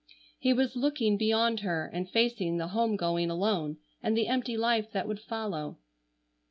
He was looking beyond her and facing the home going alone, and the empty life that would follow.